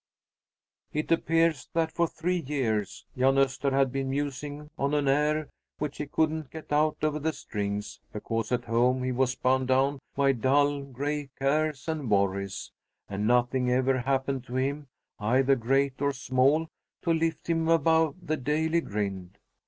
It appears that for three years Jan Öster had been musing on an air which he couldn't get out over the strings because at home he was bound down by dull, gray cares and worries, and nothing ever happened to him, either great or small, to lift him above the daily grind.